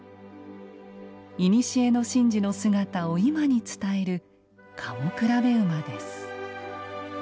いにしえの神事の姿を今に伝える賀茂競馬です。